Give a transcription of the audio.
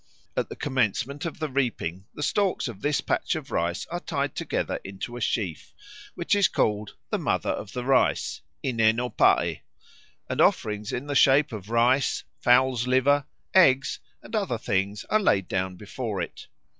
At the commencement of the reaping the stalks of this patch of rice are tied together into a sheaf, which is called "the Mother of the Rice" (ineno pae), and offerings in the shape of rice, fowl's liver, eggs, and other things are laid down before it.